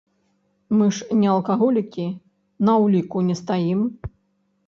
Мы ж не алкаголікі, на ўліку не стаім.